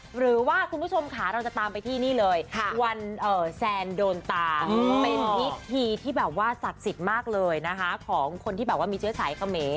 หรือว่าคุณผู้ชมค่ะเราจะตามไปที่นี่เลย